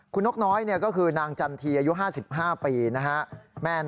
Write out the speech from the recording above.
คุณนกน้อยก็คือนางจันทีอายุ๕๕ปีนะฮะ